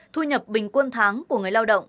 thu nhập bình quân tháng của người lao động